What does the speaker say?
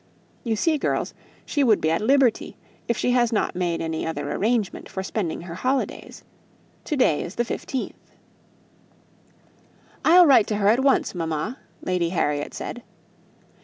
You see, girls, she would be at liberty, if she has not made any other arrangement for spending her holidays. To day is the 15th." "I'll write to her at once, mamma," Lady Harriet said.